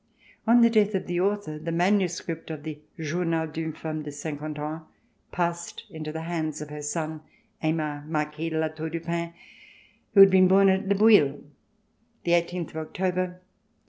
On the death of the author, the manuscript of the "Journal d'une Femme de Cinquante Ans" passed into the hands of her son, Aymar, Marquis de La Tour du Pin, who had been born at Le Bouilh, the eighteenth of October, 1806.